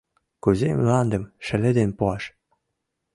Кузе мландым шеледен пуаш?